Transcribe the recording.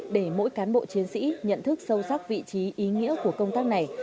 để mỗi cán bộ chiến sĩ nhận thức sâu sắc vị trí ý nghĩa của công tác này